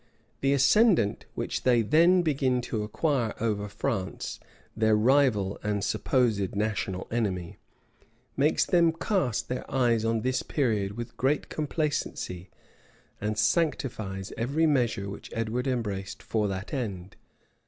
The ascendant which they then began to acquire over France, their rival and supposed national enemy, makes them cast their eyes on this period with great complacency, and sanctifies every measure which Edward embraced for that end.